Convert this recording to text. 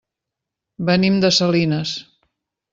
Venim de Salinas.